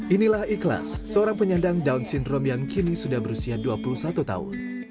inilah ikhlas seorang penyandang down syndrome yang kini sudah berusia dua puluh satu tahun